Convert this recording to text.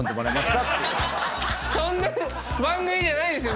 そんな番組じゃないですよ